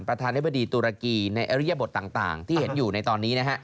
ประธานธิบดีตุรกีในอริยบทต่างที่เห็นอยู่ในตอนนี้นะฮะ